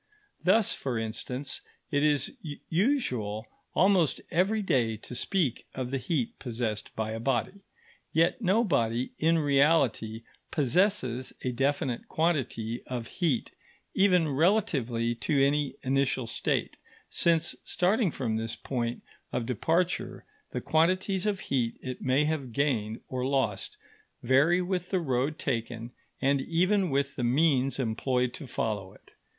Thus, for instance, it is usual almost every day to speak of the heat possessed by a body. Yet no body in reality possesses a definite quantity of heat even relatively to any initial state; since starting from this point of departure, the quantities of heat it may have gained or lost vary with the road taken and even with the means employed to follow it.